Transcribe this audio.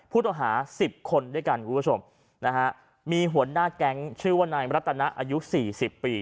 สิบคนด้วยกันคุณผู้ชมนะฮะมีหัวหน้าแก๊งชื่อว่านายรัตนะอายุสี่สิบปี